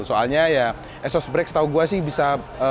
soalnya ya exhaust brake setau gua sih bisa